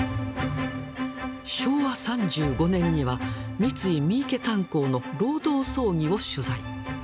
昭和３５年には三井三池炭鉱の労働争議を取材。